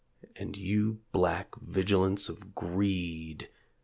. and you black vigilants of Greed